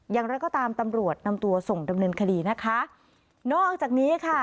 อย่างไรก็ตามตำรวจนำตัวส่งดำเนินคดีนะคะนอกจากนี้ค่ะ